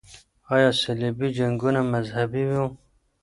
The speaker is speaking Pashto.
آیا صلیبي جنګونه مذهبي وو؟